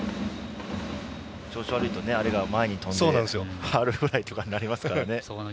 調子が悪いと、あれが前に飛んでファウルフライとかになりますからね。